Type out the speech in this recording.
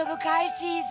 チーズ。